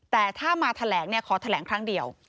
แต่ถ้ามาแถลงขอแถลงครั้งเดียว